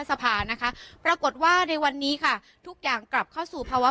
สภานะคะปรากฏว่าในวันนี้ค่ะทุกอย่างกลับเข้าสู่ภาวะ